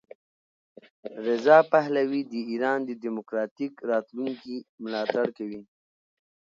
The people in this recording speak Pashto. رضا پهلوي د ایران د دیموکراتیک راتلونکي ملاتړ کوي.